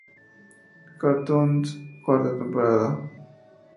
Cartoons" cuarta temporada.